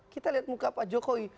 kita lihat muka pak jokowi